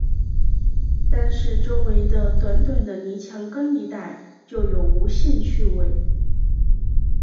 单是周围的短短的泥墙根一带，就有无限趣味